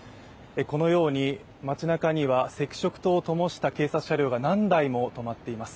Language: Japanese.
このように、街なかには赤色灯をともした警察車両が何台も止まっています。